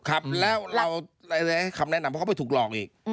ครับแล้วเราคำแนะนำเขาไปถูกลองอีก